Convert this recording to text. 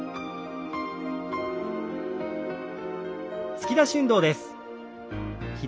突き出し運動です。